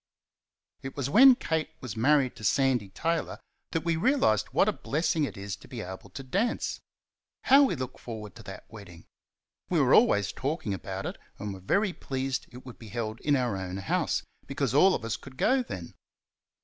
It was when Kate was married to Sandy Taylor that we realised what a blessing it is to be able to dance. How we looked forward to that wedding! We were always talking about it, and were very pleased it would be held in our own house, because all of us could go then.